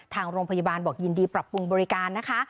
ทางโรงพยาบาลบอกยินดีปรับปรุงบริการนะคะ